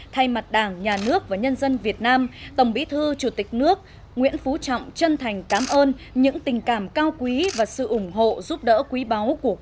thay mặt đảng nhà nước và nhân dân việt nam tổng bí thư chủ tịch nước nguyễn phú trọng chân thành cảm ơn những tình cảm cao quý và sự ủng hộ giúp đỡ quý báu của quốc hội